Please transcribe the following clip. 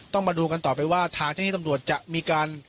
มาดูกันต่อไปว่าทางเจ้าที่ตำรวจจะมีการ